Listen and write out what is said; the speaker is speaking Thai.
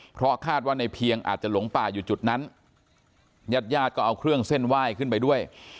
เพราะคาดว่าในเพียงอาจจะหลงป่าอยู่จุดนั้นญาติญาติก็เอาเครื่องเส้นไหว้ขึ้นไปด้วย